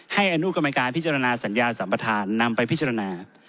อนุกรรมการพิจารณาสัญญาสัมประธานนำไปพิจารณา